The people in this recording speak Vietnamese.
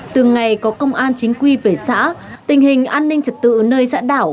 từng ngày có công an chính quy về xã tình hình an ninh trật tự nơi xã đảo